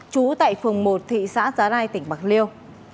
trú tại phường một thị xã giá rai tỉnh bạc liêu